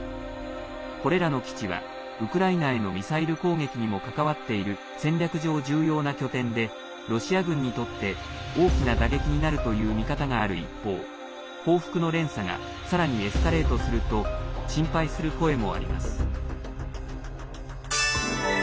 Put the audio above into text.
これらの基地は、ウクライナへのミサイル攻撃にも関わっている戦略上重要な拠点でロシア軍にとって大きな打撃になるという見方がある一方報復の連鎖がさらにエスカレートすると心配する声もあります。